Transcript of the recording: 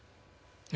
え？